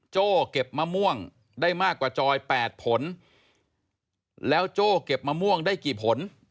โจ้เก็บมะม่วงได้มากกว่าจอยแปดผลแล้วโจ้เก็บมะม่วงได้กี่ผล